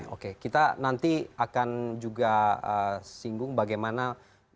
oke kita nanti akan juga singgung bagaimana membangun kata kata yang terbaik